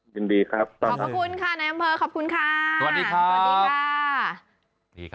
ยินดีครับขอบพระคุณค่ะในอำเภอขอบคุณค่ะสวัสดีค่ะสวัสดีค่ะ